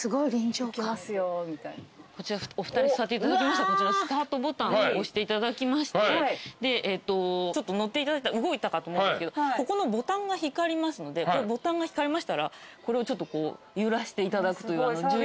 こちらお二人座っていただきましたらこちらスタートボタンを押していただきましてで動いたかと思うんですけどここのボタンが光りますのでボタンが光りましたらこれを揺らしていただくという重要な仕事が。